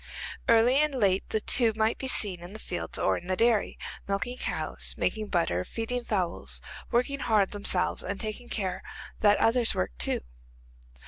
Early and late the two might be seen in the fields or in the dairy, milking cows, making butter, feeding fowls; working hard themselves and taking care that others worked too.